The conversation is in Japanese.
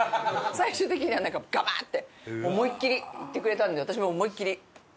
最終的にはガバーッて思いっきりいってくれたんで私も思いっきり。